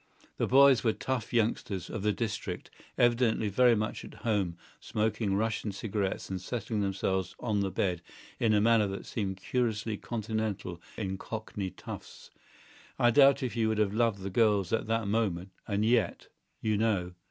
The boys were tough youngsters of the district, evidently very much at home, smoking Russian cigarettes and settling themselves on the bed in a manner that seemed curiously continental in Cockney toughs. I doubt if you would have loved the girls at that moment; and yet ... you know